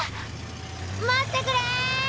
待ってくれ！